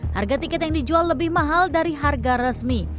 harga tiket yang dijual lebih mahal dari harga resmi